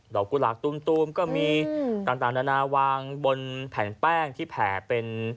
กุหลาบตูมก็มีต่างนานาวางบนแผ่นแป้งที่แผ่เป็น